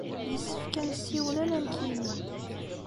Yessefk ad nessiwel ala nekk yid-m.